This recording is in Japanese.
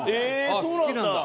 そうなんだ。